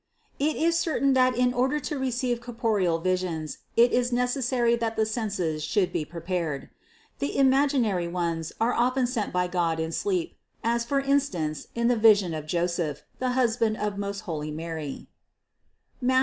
641. It is certain that in order to receive corporeal visions it is necessary that the senses should be prepared. The imaginary ones are often sent by God in sleep, as for instance in the vision of Joseph, the husband of most holy Mary (Matth.